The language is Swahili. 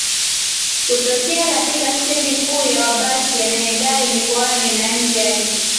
kutokea katika stendi kuu ya mabasi yaendayo mikoani na nje ya nchi